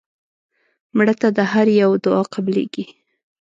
مړه ته د هر یو دعا قبلیږي